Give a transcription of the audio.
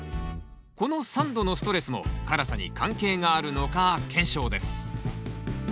この酸度のストレスも辛さに関係があるのか検証です